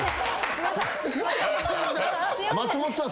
松本さん